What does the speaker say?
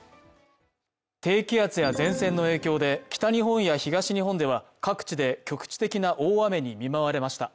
低気圧や前線の影響で北日本や東日本では各地で局地的な大雨に見舞われました。